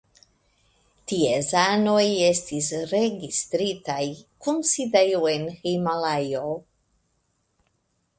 Ties anoj estis registritaj kun sidejo en Himalajo.